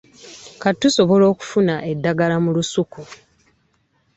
Kati tusobola okufuna eddagala mu lusuku.